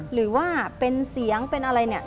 หรือว่าเป็นเสียงเป็นอะไรเนี่ย